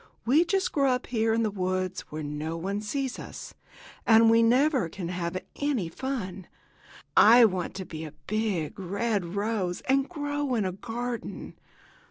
We just grow up here in the woods, where no one sees us, and we never can have any fun. I want to be a big, red rose and grow in a garden."